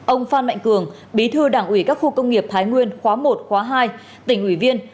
ông phan mạnh cường bí thư đảng ủy các khu công nghiệp thái nguyên khóa một khóa hai tỉnh ủy viên